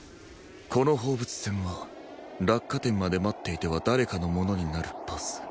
この放物線は落下点まで待っていては誰かのものになるパス